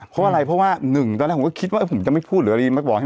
เพราะอะไรเพราะว่าหนึ่งตอนแรกผมก็คิดว่าผมจะไม่พูดหรืออะไรมาบอกให้